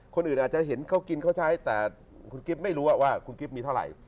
คนอื่นอาจจะเห็นเขากินเขาใช้แต่คุณกิ๊บไม่รู้ว่าคุณกิ๊บมีเท่าไหร่